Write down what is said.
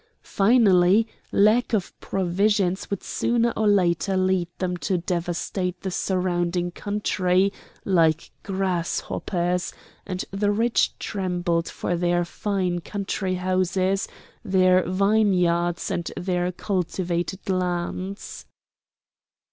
Finally, lack of provisions would sooner or later lead them to devastate the surrounding country like grasshoppers, and the rich trembled for their fine country houses, their vineyards and their cultivated lands.